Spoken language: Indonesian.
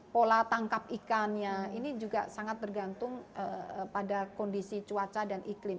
pola tangkap ikannya ini juga sangat bergantung pada kondisi cuaca dan iklim